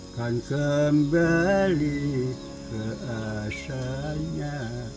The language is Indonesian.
dan kembali ke asalnya